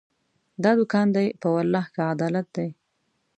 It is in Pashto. دا دوکان دی، په والله که عدالت دی